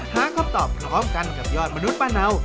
หาคำตอบพร้อมกันกับยอดมนุษย์ป้าเนา